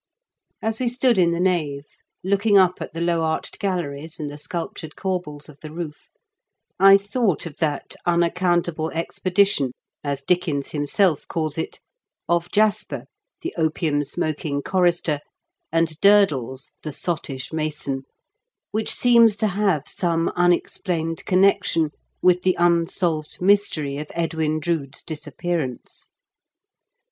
As we stood in the nave, looking up at the low arched galleries and the sculptured corbels of the roof, I thought of that " unaccountable expedition," as Dickens himself calls it, of Jasper, the opium smoking chorister, and E I 50 m KENT WITH CHARLES DICKENS. Durdles, the sottish mason, which seems to have some unexplained connection with the unsolved mystery of Edwin Drood's disappear ance.